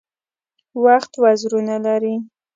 وخت وزرونه لري .